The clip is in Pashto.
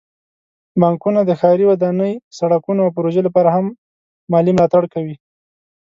بانکونه د ښاري ودانۍ، سړکونو، او پروژو لپاره هم مالي ملاتړ کوي.